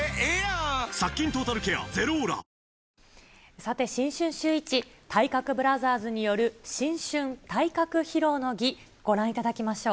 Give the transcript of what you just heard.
さて、新春シューイチ、体格ブラザーズによる新春体格披露の儀、ご覧いただきましょう。